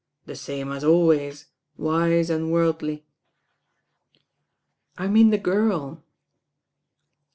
"The same as always, wiarWd worldly." "I mean the girl."